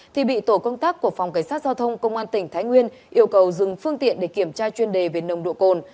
thì bị tổ công tác của phòng cảnh sát giao thông công an tỉnh thái nguyên yêu cầu dừng phương tiện để kiểm tra chuyên đề về nồng độ cồn